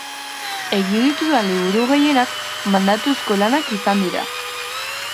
Egin ditudan liburu gehienak mandatuzko lanak izan dira.